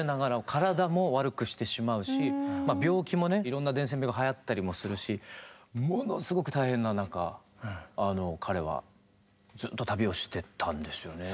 体も悪くしてしまうし病気もねいろんな伝染病がはやったりもするしものすごく大変な中彼はずっと旅をしてたんですよね。